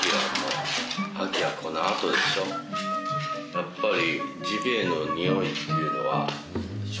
やっぱり。